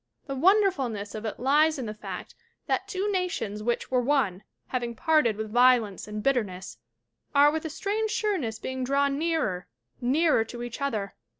The won derfulness of it lies in the fact that two nations which were one, having parted with violence and bitterness, are with a strange sureness being drawn nearer, nearer to each other.